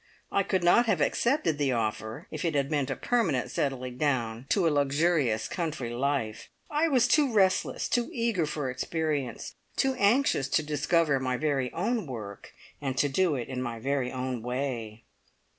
I could not have accepted the offer if it had meant a permanent settling down to a luxurious country life. I was too restless, too eager for experience, too anxious to discover my very own work, and to do it in my very own way.